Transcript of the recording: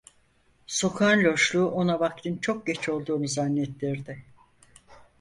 Sokağın loşluğu ona vaktin çok geç olduğunu zannettirdi.